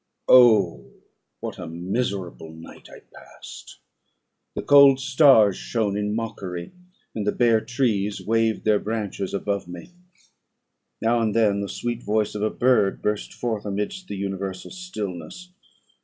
O! what a miserable night I passed! the cold stars shone in mockery, and the bare trees waved their branches above me: now and then the sweet voice of a bird burst forth amidst the universal stillness.